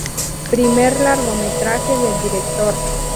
Primer largometraje del director.